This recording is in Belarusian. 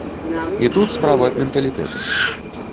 І тут справа менталітэту.